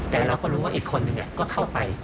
แต่เราก็รู้ว่าอีกคนนึงก็เข้าไป